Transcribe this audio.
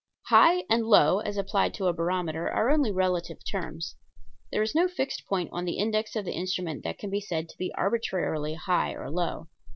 "High" and "low" as applied to a barometer are only relative terms. There is no fixed point on the index of the instrument that can be said to be arbitrarily high or low.